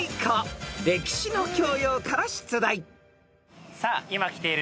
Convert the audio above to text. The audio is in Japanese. ［歴史の教養から出題］